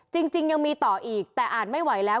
จริงยังมีต่ออีกแต่อ่านไม่ไหวแล้ว